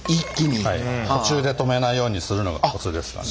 途中で止めないようにするのがコツですかね。